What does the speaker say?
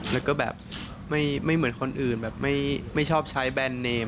แล้วก็แบบไม่เหมือนคนอื่นแบบไม่ชอบใช้แบรนด์เนม